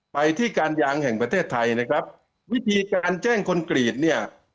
ไปที่การยางแห่งประเทศไทยนะครับวิธีการแจ้งคอนกรีตเนี่ย